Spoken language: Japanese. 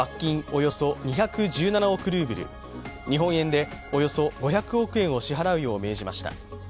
およそ２１７億ルーブル日本円でおよそ５００億円を支払うよう命じました。